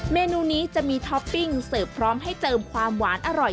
เมนูนี้จะมีท็อปปิ้งเสิร์ฟพร้อมให้เติมความหวานอร่อย